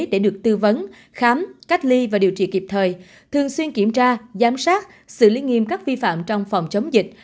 để được tư vấn khám cách ly và điều trị kịp thời thường xuyên kiểm tra giám sát xử lý nghiêm các vi phạm trong phòng chống dịch